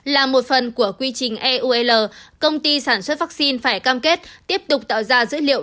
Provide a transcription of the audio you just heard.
là một phần của quy trình eula công ty sản xuất vaccine phải cam kết tiếp tục tạo ra dữ liệu